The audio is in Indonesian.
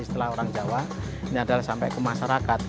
setelah orang jawa ini adalah sampai ke masyarakat